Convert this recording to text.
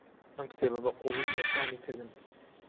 ئەم کتێبە بەقووڵی سەرسامی کردم.